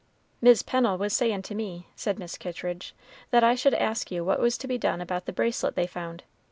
"Mis' Pennel was a sayin' to me," said Mrs. Kittridge, "that I should ask you what was to be done about the bracelet they found.